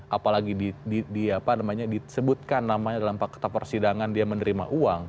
apalagi disebutkan namanya dalam fakta persidangan dia menerima uang